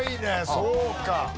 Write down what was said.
そうか。